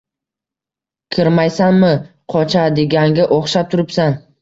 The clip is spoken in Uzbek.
Kirmaysanmi? Qochadiganga o'xshab turibsan.